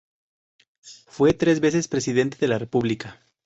Fue tres veces Presidente de la República.